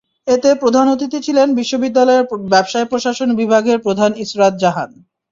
এতে প্রধান অতিথি ছিলেন বিশ্ববিদ্যালয়ের ব্যবসায় প্রশাসন বিভাগের প্রধান ইসরাত জাহান।